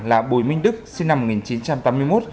là bùi minh đức sinh năm một nghìn chín trăm tám mươi một